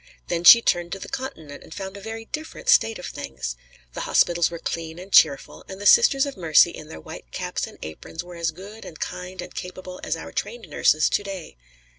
Then she turned to the Continent and found a very different state of things. The hospitals were clean and cheerful, and the Sisters of Mercy in their white caps and aprons were as good and kind and capable as our trained nurses to day.